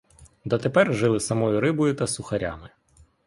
Дотепер жили самою рибою та сухарями.